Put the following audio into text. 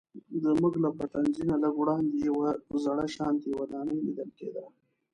زموږ له پټنځي نه لږ وړاندې یوه زړه شانتې ودانۍ لیدل کیده.